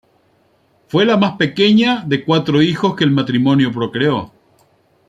Fue la más pequeña de cuatro hijos que el matrimonio procreó.